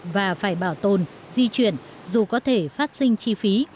và phải bảo tồn di chuyển dù có thể phát sinh chi phí